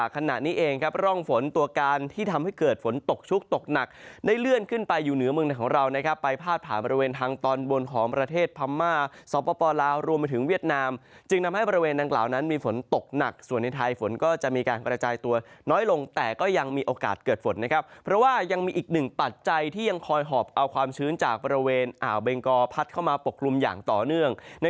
กนักได้เลื่อนขึ้นไปอยู่เหนือเมืองของเรานะครับไปพาดผ่าบริเวณทางตอนบนของประเทศพรรมมาสอบปลาวรวมไปถึงเวียดนามจึงทำให้บริเวณดังกล่าวนั้นมีฝนตกหนักส่วนในทายฝนก็จะมีการกระจายตัวน้อยลงแต่ก็ยังมีโอกาสเกิดฝนนะครับเพราะว่ายังมีอีกหนึ่งปัจจัยที่ยังคอยหอบเอาความชื้นจากบริเ